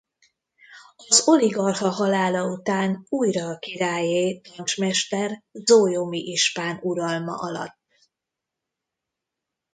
Az oligarcha halála után újra a királyé Dancs mester zólyomi ispán uralma alatt.